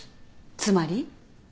つまり？